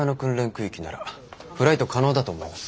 空域ならフライト可能だと思います。